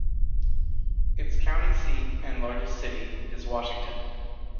Its county seat and largest city is Washington.